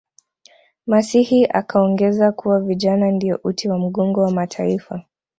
masihi akaongeza kuwa vijana ndiyo uti wa mgongo wa mataifa